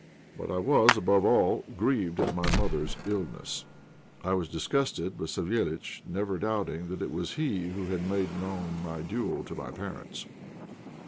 But I was, above all, grieved at my mother's illness. I was disgusted with Savéliitch, never doubting that it was he who had made known my duel to my parents.